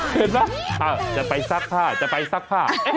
เห็นมั้ยอ้าวจะไปซักผ้า